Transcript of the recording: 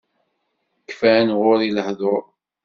Kfan ɣur-i lehdur.